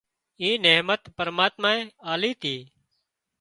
اي نحمت پرماتمائي آلي تي